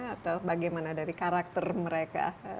atau bagaimana dari karakter mereka